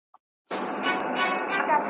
څه له محتسب څخه، څه له نیم طبیب څخه .